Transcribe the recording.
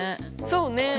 そうね。